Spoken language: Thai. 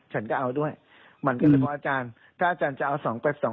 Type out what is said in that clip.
ฉันก็เอาด้วยมันก็เลยบอกว่าอาจารย์ถ้าอาจารย์จะเอาสองแป๊บสอง